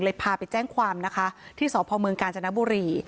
พาไปแจ้งความนะคะที่สพเมืองกาญจนบุรี